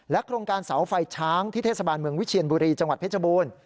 โครงการเสาไฟช้างที่เทศบาลเมืองวิเชียนบุรีจังหวัดเพชรบูรณ์